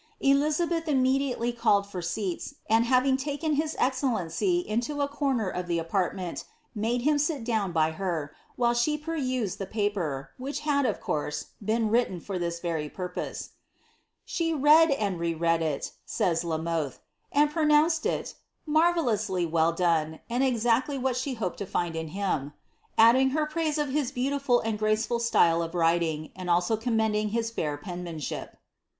Elizabeth imme dJMely called for seats, and, having taken his excellency into a corner of the apartment, made him sit down by her, while she perused the piper, which had, of course, been written for this very purpose. ^^ She read and re read it," says La Mothe, ^^and pronounced it ^ marvellously well done, and exactly what she hoped to find in him,^ adding her praise of bis beautiful and graceful style of writing, and aUo commended his fiur penmanship."